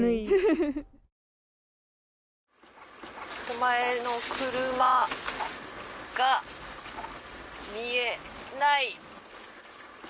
前の車が見えない。